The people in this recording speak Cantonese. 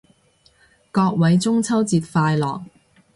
各位中秋節快樂